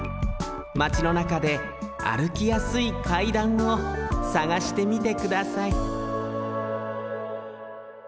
マチのなかであるきやすい階段をさがしてみてください